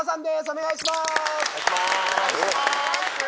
お願いします